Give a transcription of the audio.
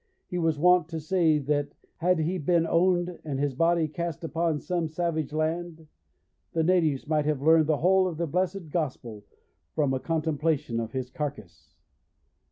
He was wont to say that had he been owned and his body cast up upon some savage land, the natives might have learned the whole of the blessed gospel from a contemplation of his carcass.